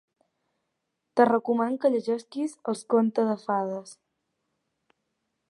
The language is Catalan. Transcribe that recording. Et recomano que llegeixis els conte de fades.